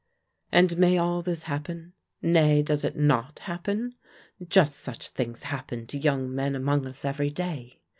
And may all this happen? nay, does it not happen? just such things happen to young men among us every day.